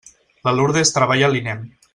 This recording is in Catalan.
La Lurdes treballa a l'INEM.